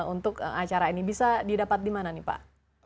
untuk acara ini bisa didapat di mana nih pak